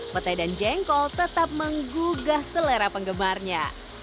petai dan jengkol tetap menggugah selera penggemarnya